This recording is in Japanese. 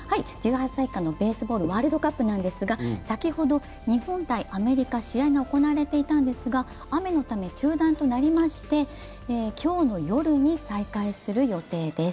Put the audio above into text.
１８歳以下のベースボールワールドカップなんですが、先ほど日本×アメリカの試合が行われていたんですが雨のため中断となりまして今日の夜に再開する予定です。